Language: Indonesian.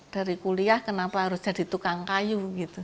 dari kuliah kenapa harus jadi tukang kayu gitu